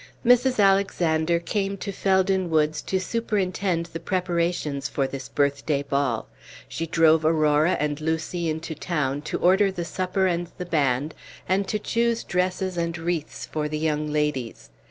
Mrs. Alexander came to Felden Woods to superintend the preparations for this birthday ball. She drove Aurora and Lucy into town to order the supper and the band, and to choose dresses and wreaths for the young ladies.